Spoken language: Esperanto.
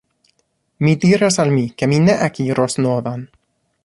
Mi diris al mi, ke mi ne akiros novan.